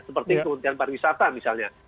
seperti keuntian pariwisata misalnya